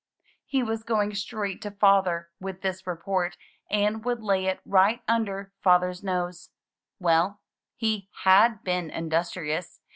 He was going straight to Father with this report, and would lay it right under Father's nose. Well, he had been industrious.